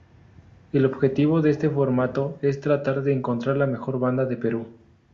El objetivo de este formato es tratar de encontrar la mejor banda de Perú.